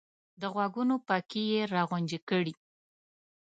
د غوږونو پکې یې را غونجې کړې !